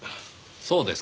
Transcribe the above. そうですか。